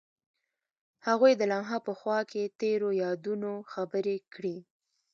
هغوی د لمحه په خوا کې تیرو یادونو خبرې کړې.